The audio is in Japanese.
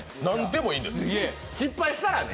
失敗したらね。